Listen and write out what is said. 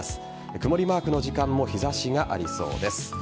曇りマークの時間も日差しがありそうです。